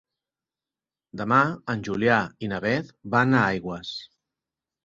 Demà en Julià i na Beth van a Aigües.